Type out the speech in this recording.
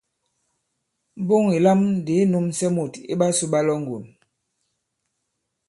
Mboŋ ì lam ndī i nūmsɛ mût iɓasū ɓa Lɔ̌ŋgòn.